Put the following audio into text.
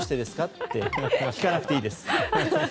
って聞かなくていいです。